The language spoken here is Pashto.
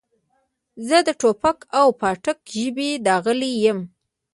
زه د ټوپک او پاټک ژبې داغلی یم.